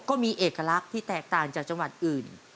ก็มีเอกลักษณ์ที่แตกต่างจากจังหวัดอื่น